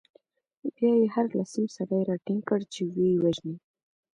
بیا يې هر لسم سړی راټینګ کړ، چې ویې وژني.